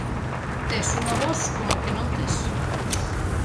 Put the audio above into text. Tes unha voz como que non tes.